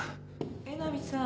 江波さん